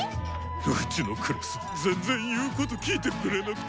うちのクラス全然言うこと聞いてくれなくて。